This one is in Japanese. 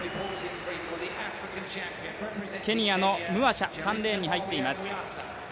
ケニアのムワシャ、３レーンに入っています。